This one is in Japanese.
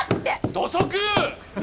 土足！